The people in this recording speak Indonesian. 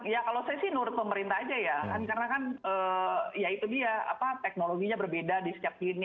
ya kalau saya sih menurut pemerintah aja ya kan karena kan ya itu dia teknologinya berbeda di setiap gini